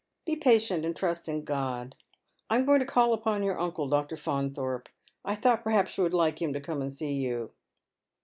Be patient, and trust in God. I am going to call upon your uncle, Dr. Faunthorpe. I thought perhaps you would like him to come and see you."